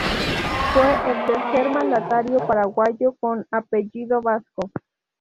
Fue el tercer mandatario paraguayo con apellido vasco.